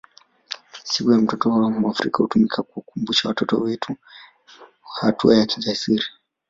Siku ya mtoto wa Afrika hutumika kuwakumbusha watoto wetu hatua ya kijasiri